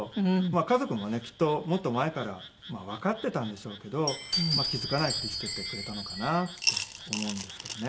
家族もねきっともっと前からわかってたんでしょうけど気付かないふりしててくれたのかなって思うんですけどね。